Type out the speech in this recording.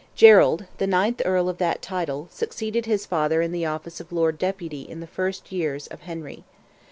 Gerald, the ninth Earl of that title, succeeded his father in the office of Lord Deputy in the first years of Henry.